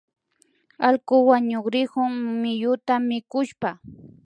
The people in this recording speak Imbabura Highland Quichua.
Allku wañukrikun miyuta mikushpa